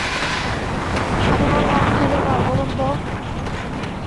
আমি বললাম, কী ব্যাপার বলুন তো?